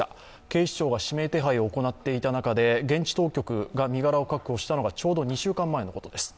警視庁が指名手配を行っていた中で現地当局が身柄を確保したのがちょうど２週間前のことです。